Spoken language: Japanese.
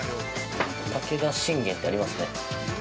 「武田信玄」ってありますね。